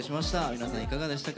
皆さんいかがでしたか。